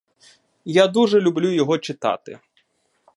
Я дуже люблю його читати!